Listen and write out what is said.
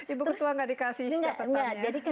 ibu ketua nggak dikasih katanya